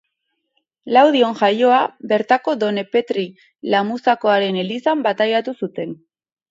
Laudion jaioa, bertako Done Petri Lamuzakoaren elizan bataiatu zuten.